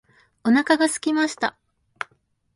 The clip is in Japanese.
お腹が空きました。